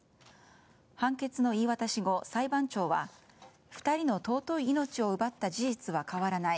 判決の言い渡し後、裁判長は２人の尊い命を奪った事実は変わらない。